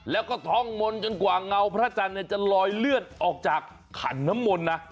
แล้วก็ท่องมนต์จนกว่าเงาพระจันทร์จะลอยเลือดออกจากขันน้ำมนต์นะ